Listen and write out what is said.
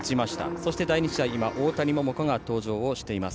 そして第２試合大谷桃子が登場しています。